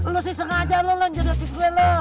lo sih sengaja lo lanjut lagi gue lo